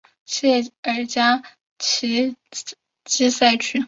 谢尔加奇斯基区。